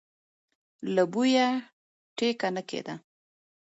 له بويه ټېکه نه کېده.